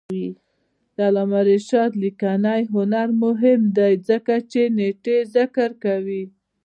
د علامه رشاد لیکنی هنر مهم دی ځکه چې نېټې ذکر کوي.